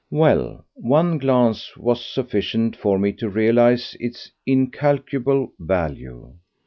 Well, one glance was sufficient for me to realize its incalculable value!